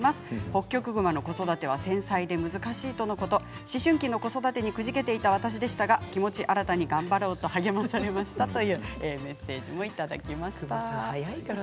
ホッキョクグマの子育ては繊細で難しいとのことでしたが思春期の子育てにくじけていた私ですが気持ち新たに頑張ろうと励まされましたとメッセージいただきました。